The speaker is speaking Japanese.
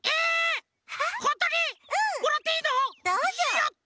やった！